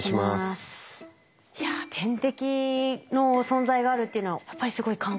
いや天敵の存在があるっていうのはやっぱりすごい関係は深いですか？